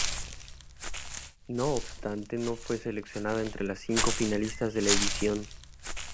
No obstante no fue seleccionada entre las cinco finalistas de la edición.